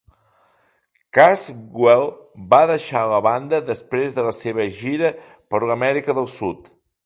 Casswell va deixar la banda després de la seva gira per l'Amèrica del Sud.